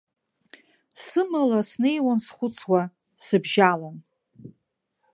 Сымала снеиуан схәыцуа, сыбжьалан.